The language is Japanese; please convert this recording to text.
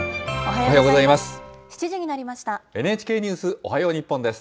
おはようございます。